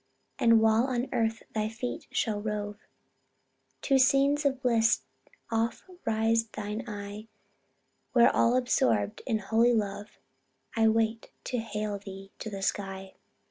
And while on earth thy feet shall rove, To scenes of bliss oft raise thine eye, Where, all absorbed in holy love, I wait to hail thee to the sky."